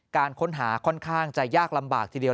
การค้นหาค่อนข้างจะยากลำบากทีเดียว